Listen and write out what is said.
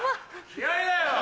気合だよ！